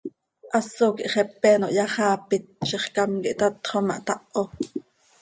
Haso quih xepe ano hyaxaapit, zixcám quih tatxo ma, htaho.